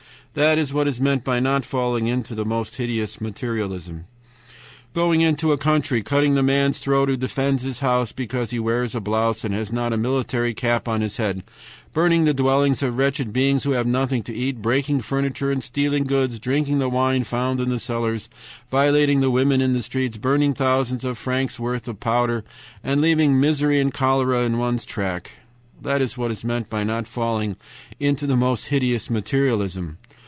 "That is what is meant by not falling into the most hideous materialism. "Going into a country, cutting the man's throat who defends his house because he wears a blouse and has not a military cap on his head, burning the dwellings of wretched beings who have nothing to eat, breaking furniture and stealing goods, drinking the wine found in the cellars, violating the women in the streets, burning thousands of francs' worth of powder, and leaving misery and cholera in one's track "That is what is meant by not falling into the most hideous materialism.